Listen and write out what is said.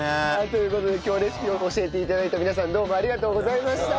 という事で今日レシピを教えて頂いた皆さんどうもありがとうございました。